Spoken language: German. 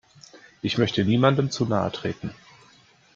Ich möchte niemandem zu nahe treten.